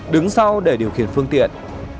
đứng sau để điều khiển phương tiện